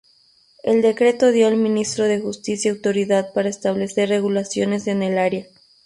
El decreto dio al ministro de Justicia autoridad para establecer regulaciones en el área.